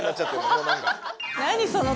もう何か。